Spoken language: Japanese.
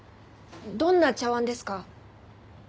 どんな茶碗ですか？